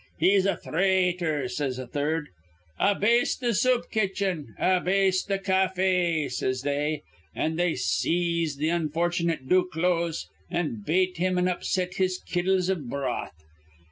'He's a thraitor,' says a third. 'A base th' soup kitchen! A base th' caafe!' says they; an' they seize th' unfortunate Duclose, an' bate him an' upset his kettles iv broth.